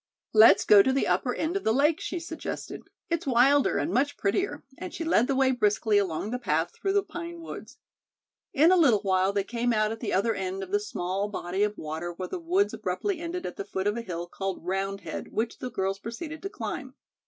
"Let's go to the upper end of the lake," she suggested. "It's wilder and much prettier," and she led the way briskly along the path through the pine woods. In a little while they came out at the other end of the small body of water where the woods abruptly ended at the foot of a hill called "Round Head," which the girls proceeded to climb.